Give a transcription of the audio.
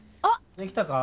できたか？